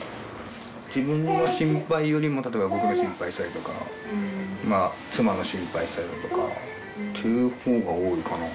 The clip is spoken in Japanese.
自分の心配よりも例えば僕の心配したりとか妻の心配したりだとかというほうが多いかな。